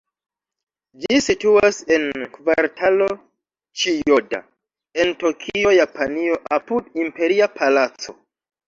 Ĝi situas en Kvartalo Ĉijoda, en Tokio, Japanio, apud Imperia Palaco.